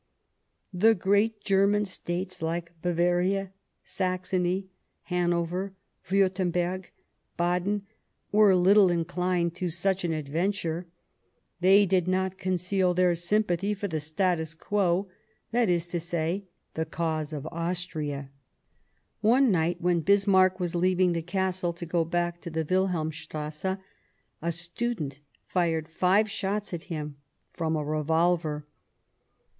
The great German States, like Bavaria, Saxony, Hanover, Wiirtemberg, Baden, were little inclined to such an adventure ; they did not conceal their sympathy for the status quo, that is to say, the cause of Austria. One night, when Bismarck was leaving the Castle to go back to the Wilhelmstrasse, a student fired five shots at him from a revolver.